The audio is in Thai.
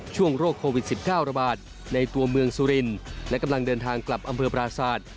โรคโควิด๑๙ระบาดในตัวเมืองสุรินและกำลังเดินทางกลับอำเภอปราศาสตร์